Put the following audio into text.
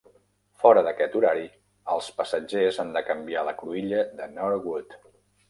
Fora d'aquest horari els passatgers han de canviar a la cruïlla de Norwood.